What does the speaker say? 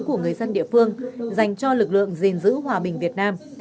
của người dân địa phương dành cho lực lượng gìn giữ hòa bình việt nam